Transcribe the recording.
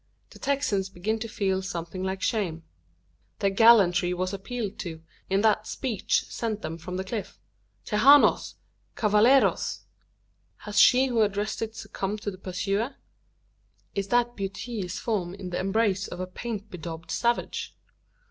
The Texans begin to feel something like shame. Their gallantry was appealed to, in that speech sent them from the cliff, "Tejanos! Cavalleros!" Has she who addressed it succumbed to the pursuer? Is that beauteous form in the embrace of a paint bedaubed savage?